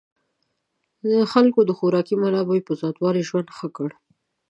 خلکو د خوراکي منابعو په زیاتوالي ژوند ښه کړ.